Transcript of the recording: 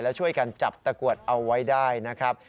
และช่วยกันจับตะกรวดเอาไว้ได้นะครับ